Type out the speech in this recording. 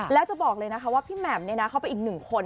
และจะบอกเลยนะคะว่าพี่แหม่มเนี่ยนะเขาเป็นอีกหนึ่งคน